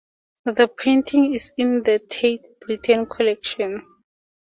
The painting is in the Tate Britain collection.